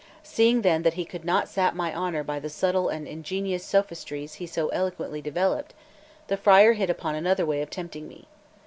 Seeing then that he could not sap my honour by the subtle and ingenious sophistries he so eloquently developed, the friar hit upon another way of tempting me.